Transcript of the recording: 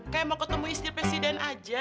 kayak mau ketemu istri presiden aja